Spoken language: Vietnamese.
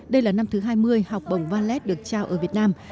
đây là năm thứ hai mươi học bổng valet được trao ở việt nam